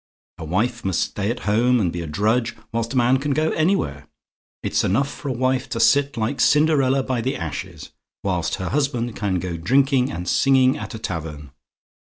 A wife must stay at home, and be a drudge, whilst a man can go anywhere. It's enough for a wife to sit like Cinderella by the ashes, whilst her husband can go drinking and singing at a tavern.